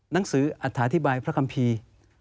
หนังสืออัฐาธิบายพระคัมภีร์